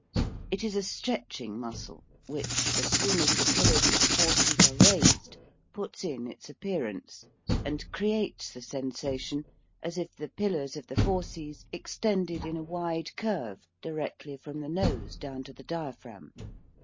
It is a stretch ing muscle which, as soon as the pillars of the fauces are raised, puts in its appearance and creates the sensation as if the pillars of the fauces extended in a wide curve directly from the nose down to the diaphragm.